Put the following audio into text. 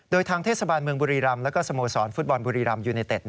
โดยทางเทศบาลเมืองบุรีรำและสโมสรฟุตบอลบุรีรำยูไนเต็ด